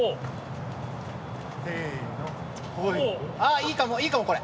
いいかもいいかもこれ。